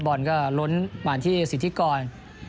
บอลก็ล้นมาที่สิทธิกร